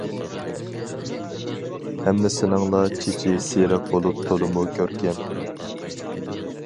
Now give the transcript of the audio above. ھەممىسىنىڭلا چېچى سېرىق بولۇپ تولىمۇ كۆركەم.